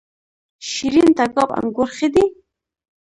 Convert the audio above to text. شیرین تګاب انګور ښه دي؟